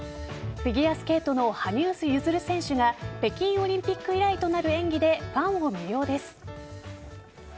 フィギュアスケートの羽生結弦選手が北京オリンピック以来となる演技でファンを魅了です。